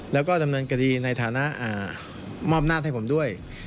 แล้วก็ดำเนินคดีในฐานะมอบหน้าให้ผมด้วย